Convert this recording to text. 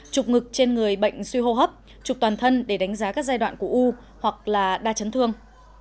chụp ngực trên người bệnh suy hô hấp chụp toàn thân để đánh giá các giai đoạn của u hoặc là đa chấn thương